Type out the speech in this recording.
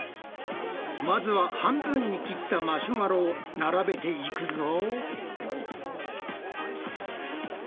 まずは半分に切ったマシュマロを並べていくぞ。